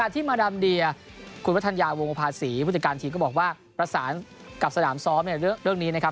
ที่มาดามเดียคุณวัฒนยาวงภาษีผู้จัดการทีมก็บอกว่าประสานกับสนามซ้อมในเรื่องนี้นะครับ